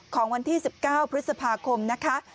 ของวันที่๑๙พฤษภาคมนะคะ